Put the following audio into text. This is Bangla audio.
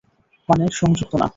মানে, সংযুক্ত না।